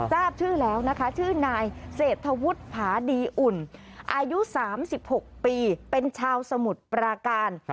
ทราบชื่อแล้วนะคะชื่อนายเศรษฐวุฒิภาดีอุ่นอายุ๓๖ปีเป็นชาวสมุทรปราการ